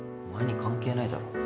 お前に関係ないだろ。